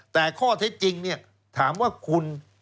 แต่ข้อเท็จจริงเนี่ยถามว่าคุณ